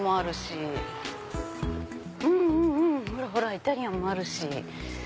イタリアンもあるし。